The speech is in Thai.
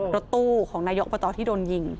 รถตู้ของนายกประตอด้วยที่โดนยิง